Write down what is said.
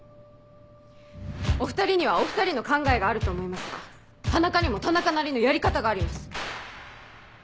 お２人にはお２人の考えがあると思いますが田中にも田中なりのやり方があります。